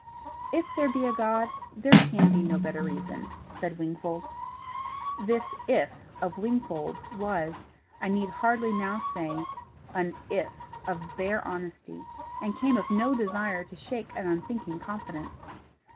"If there be a God, there can be no better reason," said Wingfold. This IF of Wingfold's was, I need hardly now say, an IF of bare honesty, and came of no desire to shake an unthinking confidence.